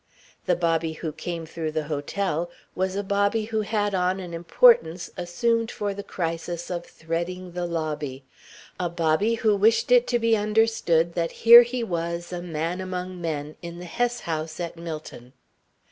The Bobby who came through the hotel was a Bobby who had on an importance assumed for the crisis of threading the lobby a Bobby who wished it to be understood that here he was, a man among men, in the Hess House at Millton.